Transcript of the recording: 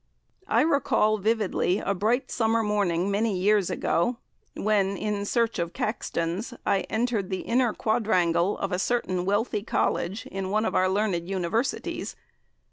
I recall vividly a bright summer morning many years ago, when, in search of Caxtons, I entered the inner quadrangle of a certain wealthy College in one of our learned Universities.